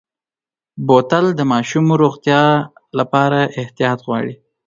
بوتل د ماشومو روغتیا لپاره احتیاط غواړي.